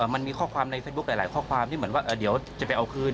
มันมีข้อความในเฟซบุ๊คหลายข้อความที่เหมือนว่าเดี๋ยวจะไปเอาคืน